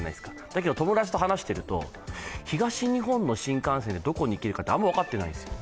だけど、友達と話していると東日本の新幹線でどこに行けるかあんま分かってないんですよ。